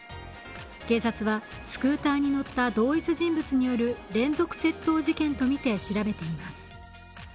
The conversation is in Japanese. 警察は、スクーターに乗った同一人物による連続窃盗事件とみて調べています。